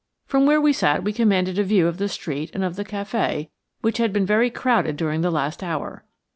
From where we sat we commanded a view of the street and of the café, which had been very crowded during the last hour.